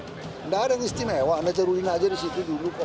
tidak ada yang istimewa ada ceruina saja di situ dulu